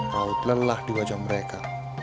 raut lelah di wajah mereka